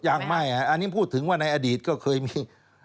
ยังไม่อันนี้พูดถึงว่าในอดีตก็เคยมี